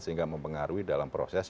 sehingga mempengaruhi dalam proses